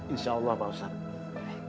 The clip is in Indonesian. insya allah pak ustadz